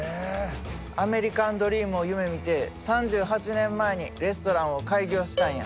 アメリカンドリームを夢みて３８年前にレストランを開業したんや。